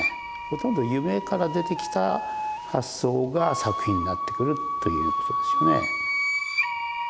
ほとんど夢から出てきた発想が作品になってくるということですよね。